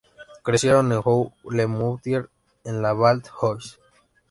Crecieron en Jouy-le-Moutier en la Val-d'Oise.